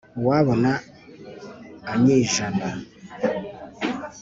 Uwabona anyijana